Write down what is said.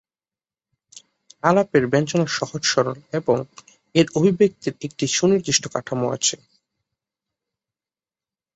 আলাপের ব্যঞ্জনা সহজ সরল এবং এর অভিব্যক্তির একটি সুনির্দিষ্ট কাঠামো আছে।